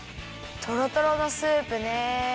とろとろのスープねえ。